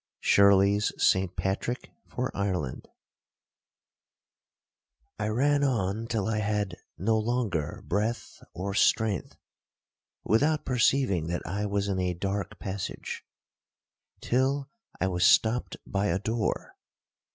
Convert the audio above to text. SHIRLEY'S ST PATRICK FOR IRELAND 'I ran on till I had no longer breath or strength, (without perceiving that I was in a dark passage), till I was stopt by a door.